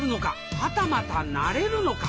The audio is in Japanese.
はたまたなれるのか？